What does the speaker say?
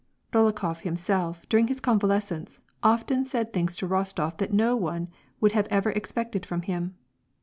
Dolokhof himself, during his convalescence, often said things to Bostof that no one would ever have expected from him.